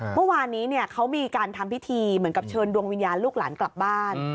เมื่อวานนี้เขามีการทำพิธีเหมือนกับเชิญดวงวิญญาณลูกหลานกลับบ้าน